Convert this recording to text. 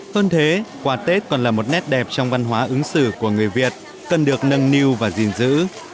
hơn thế quà tết còn là một nét đẹp trong văn hóa ứng xử của người việt cần được nâng niu và gìn giữ